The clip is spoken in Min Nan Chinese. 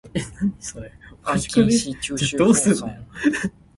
歹竹出好筍